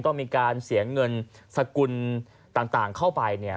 ต้องมีการเสียเงินสกุลต่างเข้าไปเนี่ย